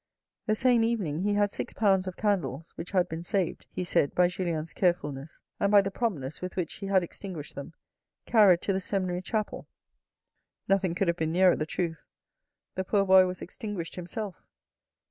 The same evening he had six pounds of candles which had been saved, he said, by Julien's carefulness, and by the promptness with which he had extinguished them, carried to the seminary chapel. Nothing could have been nearer the truth. The poor boy was extinguished himself.